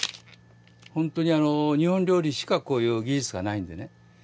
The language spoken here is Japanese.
本当に日本料理しかこういう技術がないんでね。